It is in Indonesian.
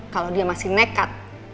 kalau dia masih nekat